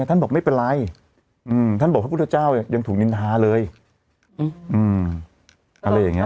ท่านบอกไม่เป็นไรท่านบอกพระพุทธเจ้ายังถูกนินทาเลยอะไรอย่างเงี้